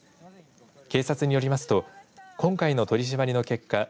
警察によりますと今回の取締りの結果